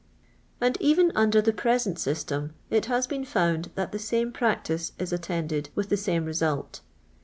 And even under the present system it has been found that the same practic *. is attended with the same result.